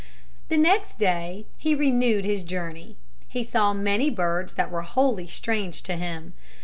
The next day he renewed his journey. He saw many birds that were wholly strange to him.